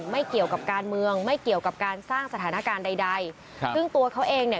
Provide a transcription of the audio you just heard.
ไม่เกี่ยวกับการเมือง